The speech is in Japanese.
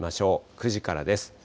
９時からです。